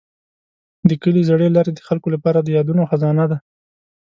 د کلي زړې لارې د خلکو لپاره د یادونو خزانه ده.